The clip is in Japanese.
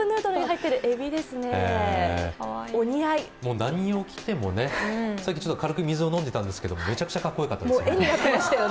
何を着てもね、さっき水を飲んでたんですけどめちゃくちゃかっこよかったですね。